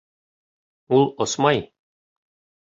Ул осмай